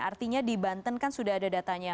artinya di banten kan sudah ada datanya